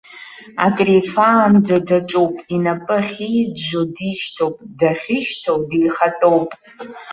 Акрифаанӡа даҿуп, инапы ахьиӡәӡәо дишьҭоуп, дахьышьҭоу дихатәоуп.